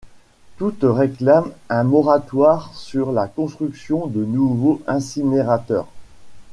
Toutes réclament un moratoire sur la construction de nouveaux incinérateurs.